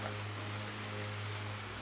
perkara apa tuhan